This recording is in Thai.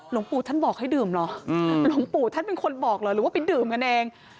หลวงปู่ท่านบอกให้ดื่มเหรอหลวงปู่ท่านเป็นคนบอกเหรอหรือว่าไปดื่มกันเอง